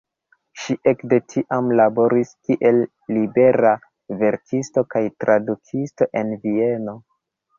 Ŝi ekde tiam laboris kiel libera verkisto kaj tradukisto en Vieno.